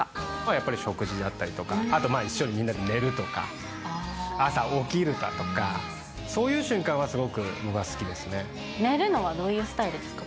やっぱり食事であったりとか、あとまあ、一緒にみんなで寝るとか、朝起きるだとか、そういう瞬寝るのはどういうスタイルですか？